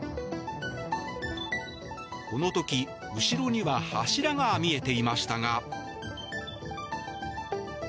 この時、後ろには柱が見えていましたが。